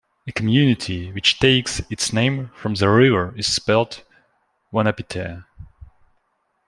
A community which takes its name from the river is spelled Wahnapitae.